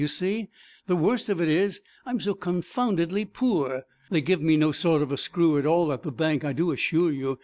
You see, the worst of it is, I'm so confoundedly poor; they give me no sort of a screw at all at the bank, I do assure you.